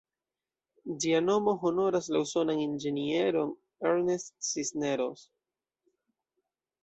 Ĝia nomo honoras la usonan inĝenieron "Ernest Cisneros".